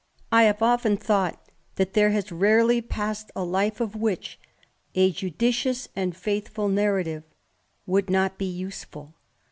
I have often thought that there has rarely passed a life of.d which a judicious and faithful narrative would not 1 useful.